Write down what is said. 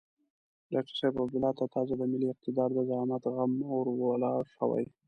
ډاکتر صاحب عبدالله ته تازه د ملي اقتدار د زعامت غم ور ولاړ شوی.